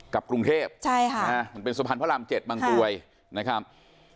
กับกรุงเทพฯใช่ฮะมันเป็นสมพันธ์พระรามเจ็ดบางตรวยนะครับ